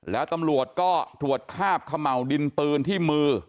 แล้วตำรวจก็ถวดคาบขะเหมาดินปืนที่มือ